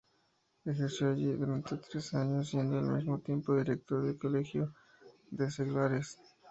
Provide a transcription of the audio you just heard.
Ejerció allí durante tres años siendo al mismo tiempo, Director del Colegio de seglares.